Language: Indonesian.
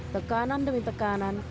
tekanan demi tekanan